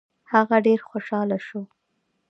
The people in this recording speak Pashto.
هغه ډېر خوشاله شو.